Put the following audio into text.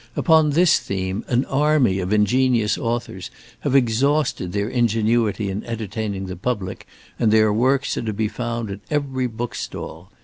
Upon this theme, an army of ingenious authors have exhausted their ingenuity in entertaining the public, and their works are to be found at every book stall.